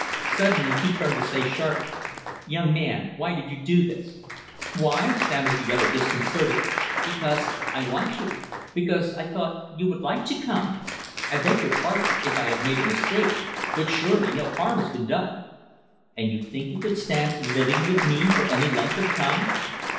Suddenly, he turned to say sharply, "Young man, why did you do this?" "Why" stammered the other, disconcerted "because I want you because I thought you would like to come. I beg your pardon if I have made a mistake but surely, no harm has been done." "And you think you could stand living with me for any length of time?"